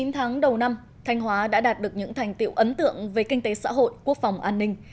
chín tháng đầu năm thanh hóa đã đạt được những thành tiệu ấn tượng về kinh tế xã hội quốc phòng an ninh